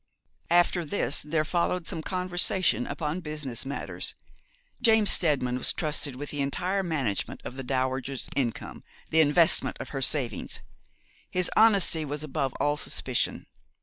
After this there followed some conversation upon business matters. James Steadman was trusted with the entire management of the dowager's income, the investment of her savings. His honesty was above all suspicion.